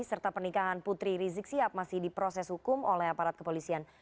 serta pernikahan putri rizik sihab masih diproses hukum oleh aparat kepolisian